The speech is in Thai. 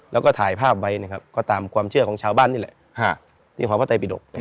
แล้วก็ถ่ายภาพไว้นะครับก็ตามความเชื่อของชาวบ้านนี่แหละที่หอพระไตปิดก